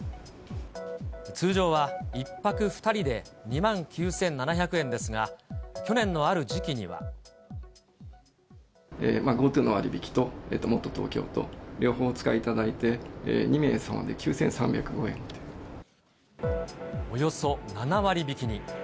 通常は１泊２人で２万９７００円ですが、ＧｏＴｏの割引ともっとＴＯＫＹＯと、両方お使いいただいて、２名様でおよそ７割引きに。